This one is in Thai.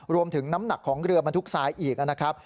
น้ำหนักของเรือบรรทุกทรายอีกนะครับ